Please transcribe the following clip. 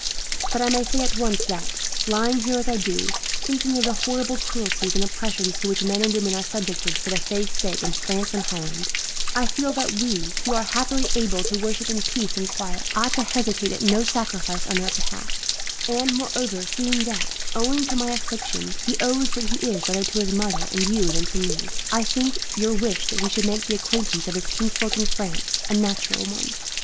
But I may say at once that, lying here as I do, thinking of the horrible cruelties and oppressions to which men and women are subjected for the faith's sake in France and Holland, I feel that we, who are happily able to worship in peace and quiet, ought to hesitate at no sacrifice on their behalf; and moreover, seeing that, owing to my affliction, he owes what he is rather to his mother and you than to me, I think your wish that he should make the acquaintance of his kinsfolk in France is a natural one.